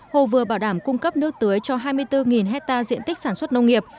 hồ vừa bảo đảm cung cấp nước tưới cho hai mươi bốn hectare diện tích sản xuất nông nghiệp